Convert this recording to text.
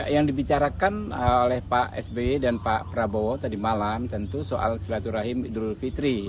yang dibicarakan oleh pak sby dan pak prabowo tadi malam tentu soal silaturahim idul fitri